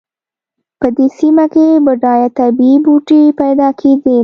په دې سیمه کې بډایه طبیعي بوټي پیدا کېدل.